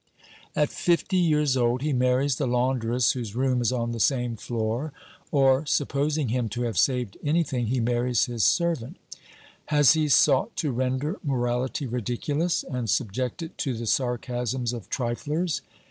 At fifty years old he marries the laundress whose room is on the same floor, or, supposing him to have saved any thing, he marries his servant. Has he sought to render morality ridiculous, and subject it to the sarcasms of triflers?